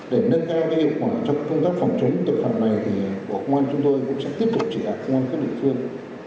để nâng cao cái hiệu quả trong công tác phòng chống tập phòng này thì bộ công an chúng tôi cũng sẽ tiếp tục chỉ đạt công an quân định thương